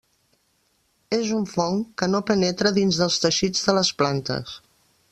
És un fong que no penetra dins dels teixits de les plantes.